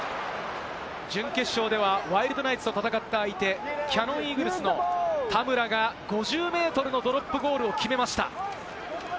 準決勝では、ワイルドナイツと戦った相手キヤノンイーグルスの田村が５０ｍのドロップゴールを決めました。